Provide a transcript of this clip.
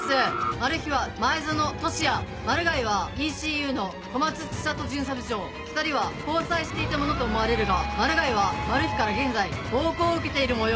マルヒは前薗俊哉マルガイはＥＣＵの小松知里巡査部長２人は交際していたものと思われるがマルガイはマルヒから現在暴行を受けているもよう。